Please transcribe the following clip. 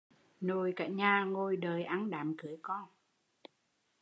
Nội cả nhà ngồi đợi ăn đám cưới con